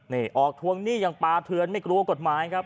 นี่ออกทวงหนี้อย่างปาเทือนไม่กลัวกฎหมายครับ